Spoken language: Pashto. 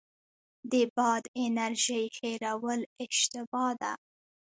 د باد انرژۍ هیرول اشتباه ده.